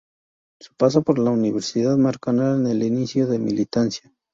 Su paso por la Universidad, marcarán el inicio de su militancia.